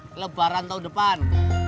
kelebaran tahun depan